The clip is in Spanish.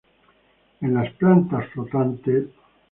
En las plantas flotantes...